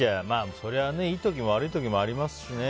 そりゃいい時も悪い時もありますしね。